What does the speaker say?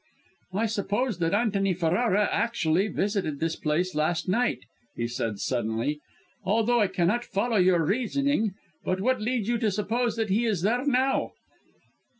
"I suppose that Antony Ferrara actually visited this place last night," he said suddenly, "although I cannot follow your reasoning. But what leads you to suppose that he is there now?"